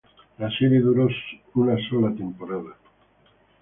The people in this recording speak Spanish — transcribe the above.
La serie duró una sola temporada.